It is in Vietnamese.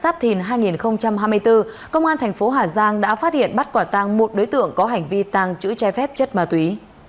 giáp thìn hai nghìn hai mươi bốn công an thành phố hà giang đã phát hiện bắt quả tăng một đối tượng có hành vi tàng trữ trái phép chất ma túy